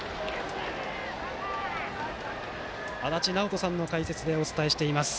足達尚人さんの解説でお伝えしています。